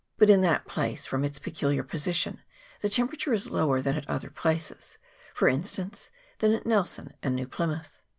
But in that place, from its peculiar position, the temperature is lower than at other places, for instance, than at Nelson and New Plymouth.